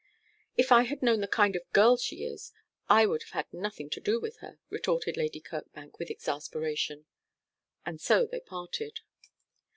'If I had known the kind of girl she is I would have had nothing to do with her,' retorted Lady Kirkbank with exasperation; and so they parted.